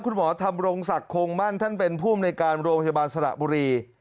คุณหมอทำรงศักดิ์โคงมั่นท่านเป็นผู้อำนวยการโรงพยาบาลสระบุรี